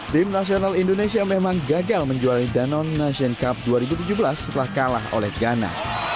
tim nasional indonesia memang gagal menjuarai danon nation cup dua ribu tujuh belas setelah kalah oleh ghana